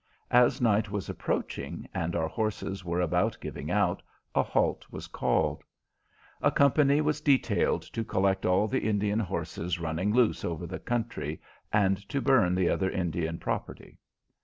As night was approaching and our horses were about giving out, a halt was called. A company was detailed to collect all the Indian horses running loose over the country, and to burn the other Indian property.